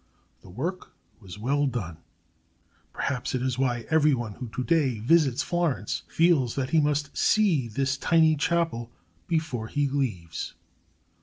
The work was well done. Perhaps that is why everyone who today visits Florence feels that he must see this tiny chapel before he leaves.